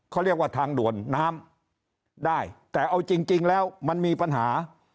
เขาเรียกว่าทางด่วนน้ำได้แต่เอาจริงแล้วมันมีปัญหา